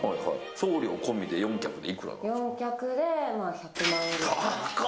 送料込みで４脚でいくらですか。